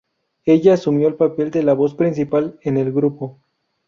Ella asumió el papel de la voz principal en el grupo.